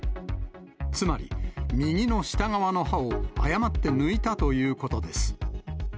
つまり、右の下側の歯を誤って抜いたということです。